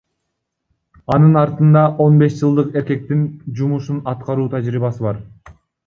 Анын артында он беш жылдык эркектин жумушун аткаруу тажрыйбасы бар.